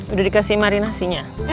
udah dikasih marinasinya